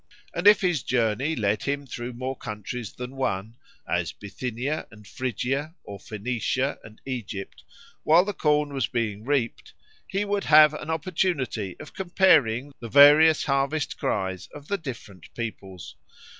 And if his journey led him through more countries than one, as Bithynia and Phrygia, or Phoenicia and Egypt, while the corn was being reaped, he would have an opportunity of comparing the various harvest cries of the different peoples.